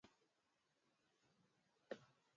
Mbali na kuvutia watu nje ya nyumbani kwao